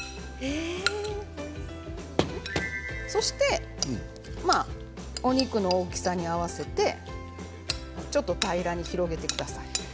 そしてお肉の大きさに合わせてちょっと平らに広げてください。